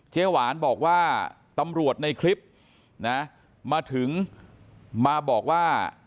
หวานบอกว่าตำรวจในคลิปนะมาถึงมาบอกว่า